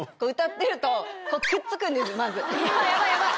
ヤバいヤバい。